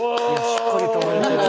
しっかり歌われてる。